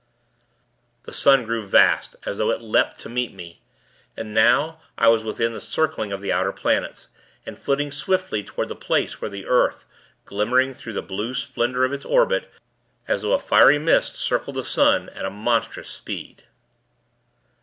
"... the sun grew vast, as though it leapt to meet me.... And now I was within the circling of the outer planets, and flitting swiftly, toward the place where the earth, glimmering through the blue splendor of its orbit, as though a fiery mist, circled the sun at a monstrous speed...."